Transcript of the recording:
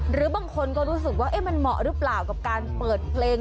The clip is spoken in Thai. หรือบางคนก็รู้สึกว่ามันเหมาะหรือเปล่ากับการเปิดเพลง